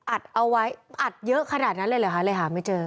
อัดเอาไว้อัดเยอะขนาดนั้นเลยเหรอคะเลยหาไม่เจอ